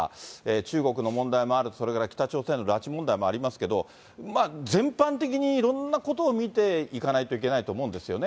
中国の問題もある、それから北朝鮮の拉致問題もありますけれども、まあ、全般的にいろんなことを見ていかないといけないと思うんですよね。